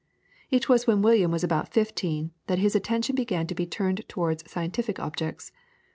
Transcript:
It was when William was about fifteen that his attention began to be turned towards scientific subjects.